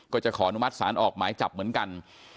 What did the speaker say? ก็จะขออนุมัติศาลออกหมายจับเหมือนกัน